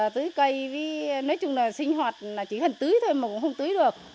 tưới cây nói chung là sinh hoạt chỉ cần tưới thôi mà cũng không tưới được